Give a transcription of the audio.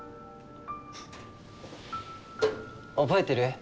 覚えてる？